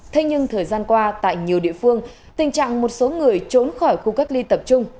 thế nhưng thời gian qua tại nhiều địa phương tình trạng một số người trốn khỏi khu cách ly tập trung